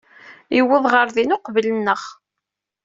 Yuweḍ ɣer din uqbel-nneɣ.